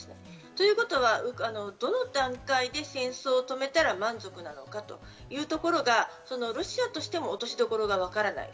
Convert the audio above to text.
ということはどの段階で戦争を止めたら満足なのかというところがロシアとしても落としどころがわからない。